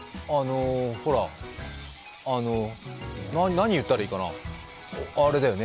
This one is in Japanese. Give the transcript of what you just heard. ほら、あのう何言ったらいいかな。